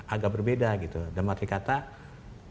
agak berbeda damat ikatan